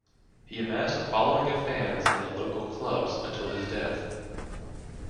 He amassed a following of fans in the local clubs until his death.